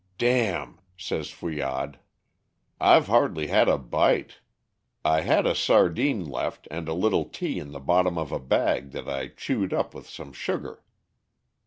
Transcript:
"Damn," says Fouillade. "I've hardly had a bite. I had a sardine left, and a little tea in the bottom of a bag that I chewed up with some sugar."